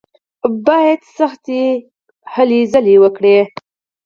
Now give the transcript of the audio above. بايد سختې هلې ځلې وکړو.